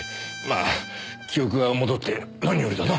あ記憶が戻って何よりだな。